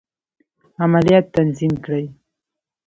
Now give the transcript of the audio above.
عملیات تنظیم کړي.